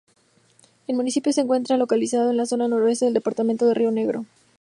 El municipio se encuentra localizado en la zona noroeste del departamento de Río Negro.